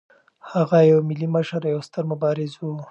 هغه یو ملي مشر او یو ستر مبارز و.